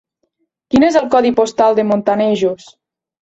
Quin és el codi postal de Montanejos?